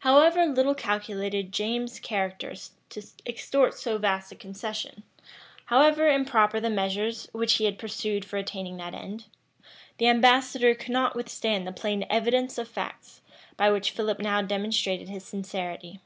However little calculated James's character to extort so vast a concession; however improper the measures which he had pursued for attaining that end; the ambassador could not withstand the plain evidence of facts, by which Philip now demonstrated his sincerity.